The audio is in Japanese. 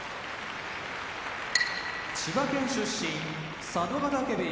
千葉県出身佐渡ヶ嶽部屋